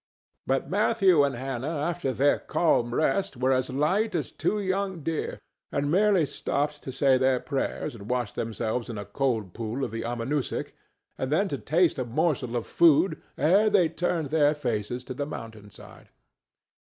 But Matthew and Hannah after their calm rest were as light as two young deer, and merely stopped to say their prayers and wash themselves in a cold pool of the Amonoosuck, and then to taste a morsel of food ere they turned their faces to the mountain side.